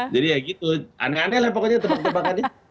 jadi ya gitu aneh aneh lah pokoknya tebak tebakannya